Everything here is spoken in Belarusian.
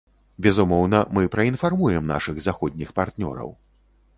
Безумоўна, мы праінфармуем нашых заходніх партнёраў.